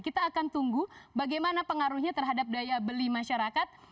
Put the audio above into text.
kita akan tunggu bagaimana pengaruhnya terhadap daya beli masyarakat